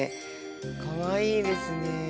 かわいいですね。